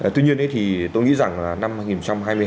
tuy nhiên thì tôi nghĩ rằng là năm hai nghìn hai mươi ba